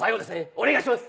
お願いします。